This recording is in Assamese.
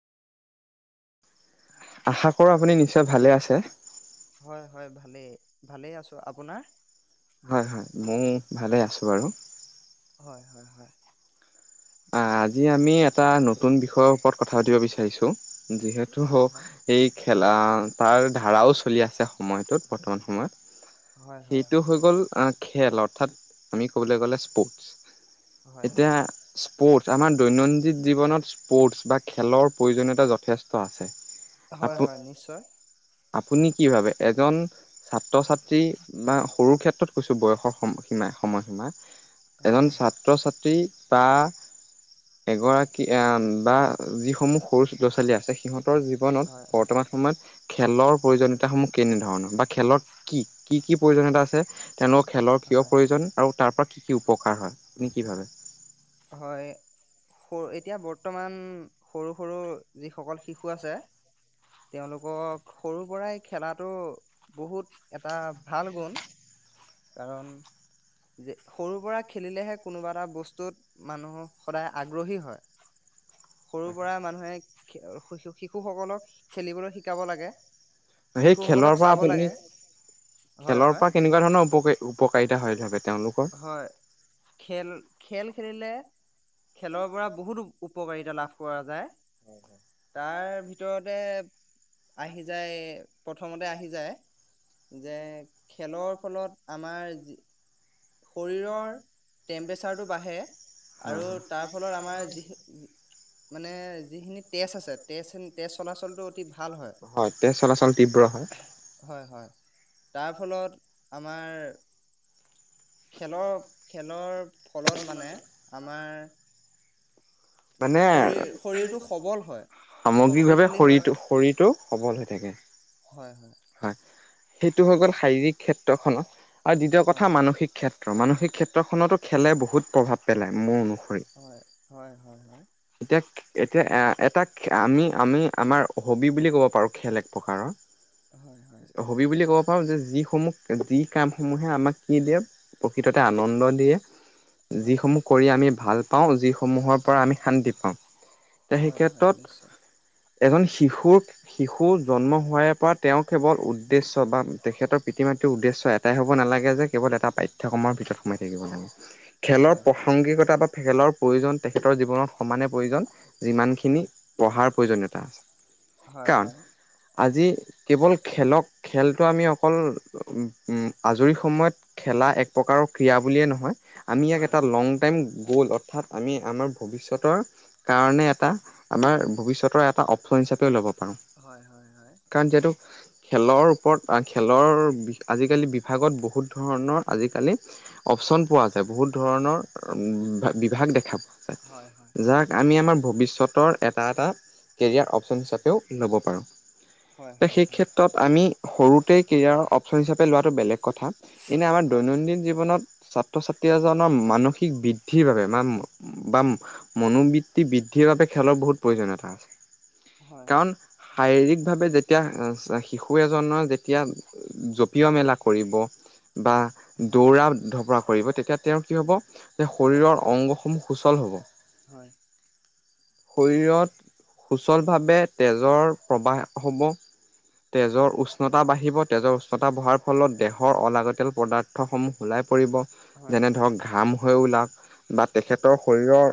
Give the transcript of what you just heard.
আশা কৰোঁ আপুনি নিশ্চয় ভালে আছে। হয় হয় ভালেই ভালেই আছো আপোনাৰ। হয় হয় ময় ভালে আছোঁ বাৰু। হয় হয় হয়, অ, আজি আমি এটা নতুন বিষয়ৰ ওপৰত কথা পাতিব বিচাৰিছো। যিহেতু হওক এই খেলা। তাৰ ধাৰাও চলি আছে সময়টোত বৰ্তমান সময়ত। সেইটো হৈ গ'ল অ খেল অৰ্থাৎ আমি। ক'বলৈ গ'লে স্পৰ্টছ। এতিয়া। স্পৰ্টছ আমাৰ দৈনন্দিন জীৱনত স্পৰ্টছ বা খেলৰ প্ৰয়োজনীয়তা যথেষ্ট আছে আপু আপুনি কি ভাবে এজন ছাত্ৰ ছাত্ৰী বা সৰু ক্ষেত্ৰত কৈছোঁ বয়সৰ সম সীমা সময়সীমা এজন ছাত্ৰ ছাত্ৰী ত এগৰাকী বা যিসমূহ সৰু ল'ৰা ছোৱালী আছে সিহঁত ৰ জীৱনত বৰ্তমান সময়ত খেলৰ প্ৰয়োজনীয়তাসমূহ কেনে ধৰণৰ বা খেলত কি কি কি প্ৰয়োজনীয়তা আছে এনেও খেলৰ কিয় প্ৰয়োজন আৰু তাৰ পৰা কি কি উপকাৰ হয় আপুনি কি ভাবে হয় সৰু এতিয়া বৰ্তমান সৰু সৰু যিসকল শিশু আছে তেওঁলোকক সৰুৰ পৰাই খেলাটো বহুত এটা ভাল গুণ কাৰণ যে সৰুৰ পৰা খেলিলেহে কোনোবা এটা বস্তুত মানুহ সদায় আগ্ৰহী হয় সৰু পৰা মানুহে শু শিশুসকলক খেলিবলৈ শিকাব লাগে সেই খেলৰ পৰা আপুনি খেলৰ পৰা কেনেকুৱা ধৰণৰ উপকাৰ উপকাৰিত এ হয় বুলি ভাবে হয় খেল খেল খেলিলে খেলৰ পৰা বহুত উপকাৰিতা লাভ কৰা যায় তাৰ ভিতৰতে আহি যায় প্ৰথমতে আহি যায় যে খেলৰ ফলত আমাৰ যি শৰীৰৰ টেম্পৰেচাৰটো বাঢ়ে আৰু তাৰ ফলত আমাৰ যি মানে যিখিনি তেজ আছে তেজ তেজ চলাচলটো অতি ভাল হয় তেজ চলাচল তীব্ৰ হয় খেলৰ খেলৰ ফলত মানে আমাৰ মানে সামগ্ৰিকভাৱে শৰীৰ শৰীৰটো সবল হৈ থাকে হয় হয় সেইটো হৈ গল শাৰীৰিক ক্ষেত্ৰখনত আৰু দ্বিতীয় কথা মানসিক মানসিক ক্ষেত্ৰখনতো খেলে বহুত প্ৰভাৱ পেলাই মোৰ অনুস হয় হয় হয় হয় এতিয়া এটা আমি আমি আমাৰ হবি বুলি ক'ব পাৰোঁ খেল এক প্ৰকাৰৰ হবি বুলি ক'ব পাৰোঁ যে যিসমূহ যি কামসমূহে আমাক কি দিয়ে প্ৰকৃততে আনন্দ দিয়ে যিসমূহ কৰি আমি ভাল পাওঁ যিসমূহৰ পৰা আমি শান্তি পাওঁ এতিয়া সেই ক্ষেত্ৰত এজন শিশুৰ শিশু জন্ম হোৱাৰ পৰা তেওঁৰ কেৱল উদ্দেশ্য বা তেখেতৰ পিতৃ মাতৃৰ উদ্দেশ্য এটাই হ'ব নালাগে যে কেৱল এটা পাঠ্য শিক্ষাকমাৰ ভিতৰত সোমাই থাকিব লাগে খেলৰ প্ৰাসংগিকতা বা খেলৰ প্ৰয়োজন তেখেতৰ জীৱনত সমানে প্ৰয়োজন যিমানখিনি পঢ়াৰ প্ৰয়োজনীয়তা আছে, কাৰণ আজি কেৱল খেলক খেলটো আমি অকল উম আজৰি সময়ত খেলা এক ক্ৰিয়া বুলিয়েই নহয় আমি ইয়াক এটা লংগ টাইম গ'ল অৰ্থাৎ আমি আমাৰ ভৱিষ্যতৰ কাৰনে আমাৰ ভৱিষ্যতৰ এটা অপচন হিচাপেও ল'ব পাৰোঁ। কাৰণ যিহেতু খেলৰ ওপৰত খেলৰ আজিকালি বিভাগত বহুত ধৰণৰ আজি আজি কালি অপচন পোৱা যায় বহুত ধৰণৰ বিভাগ দেখা পোৱা যায় যাক আমি আমাৰ ভৱিষ্যত এটা এটা কেৰিয়াৰ অপচন হিচাপেও ল'ব পাৰোঁ। তো সেই ক্ষেত্ৰত আমি সৰুতে কেৰিয়াৰৰ অপচন হিচাপে লোৱাটো বেলেগ কথা এনে আমাৰ দৈনন্দিন জীৱনত ছাত্ৰ -ছাত্ৰী এজনৰ মানসিক বৃদ্ধিৰ বাবে বা বা মনোবৃত্তি বৃদ্ধিৰ বাবে খেলৰ বহুত প্ৰয়োজনীয়তা আছে কাৰণ শাৰীৰিকভাৱে যেতিয়া শিশু এজনৰ যেতিয়া জপিওৱা মেলা কৰিব বা দৌৰা ধপৰা কৰিব তেতিয়া তেওঁৰ কি হ'ব যে শৰীৰৰ অংগসমূহ সুচল হ'ব। শৰীৰত সুচলভাৱে তেজৰ প্ৰবাহ হব তেজৰ উষ্ণতা বাঢ়িব তেজৰ উষ্ণতা বঢ়াৰ ফলত দেহৰ অলাগতীয়াল পদাৰ্থ অৰ্থসমূহ ওলাই পৰিব যেনে ধৰক ঘাম হৈ ওলাওক বা তেখেতৰ শৰীৰৰ